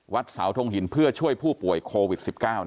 สาวทงหินเพื่อช่วยผู้ป่วยโควิด๑๙